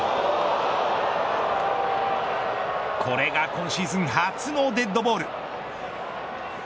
これが今シーズン初のデッドボール。